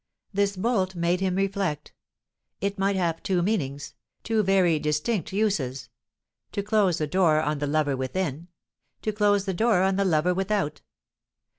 This bolt made him reflect. It might have two meanings, two very distinct uses: to close the door on the lover within; to close the door on the lover without.